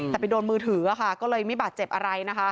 แต่ไปโดนมือถือค่ะก็เลยไม่บาดเจ็บอะไรนะคะ